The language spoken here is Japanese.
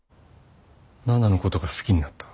奈々のことが好きになった。